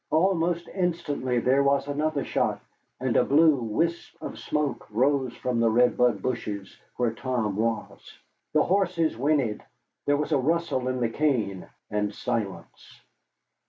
Almost instantly there was another shot, and a blue wisp of smoke rose from the red bud bushes, where Tom was. The horses whinnied, there was a rustle in the cane, and silence.